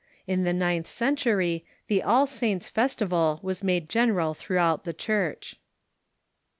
In the ninth century the All Saints festival was made sreneral throughout the Church.